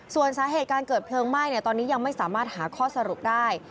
ส่วนสาเหตุการเกิดเพลิงไหม้ตอนนี้ยังไม่สามารถหาข้อสรุปได้